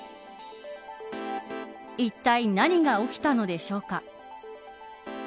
いったい何が起きたのでしょうか。